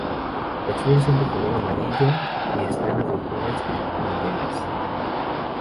Las flores son de color amarillo y están agrupadas en umbelas.